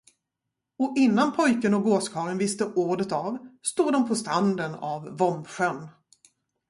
Och innan pojken och gåskarlen visste ordet av, stod de på stranden av Vombsjön.